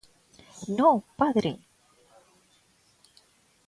"No padre"."